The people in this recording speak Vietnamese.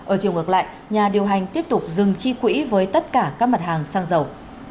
ở chiều ngược lại nhà điều hành tiếp tục dừng chi quỹ với tất cả các mặt hàng xăng dầu